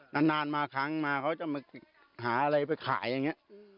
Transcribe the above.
นานมาครั้งมาเขาจะมาหาอะไรไปขายอย่างนี้